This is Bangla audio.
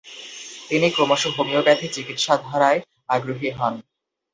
তিনি ক্রমশ হোমিওপ্যাথি চিকিৎসা ধারায় আগ্রহী হন।